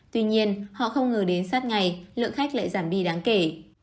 tuy nhiên họ không ngờ đến sát ngày lượng khách lại giảm đi đáng kể